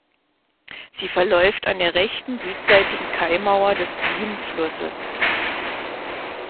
Sie verläuft an der rechten, südseitigen Kaimauer des Wienflusses.